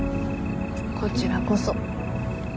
こちらこそ。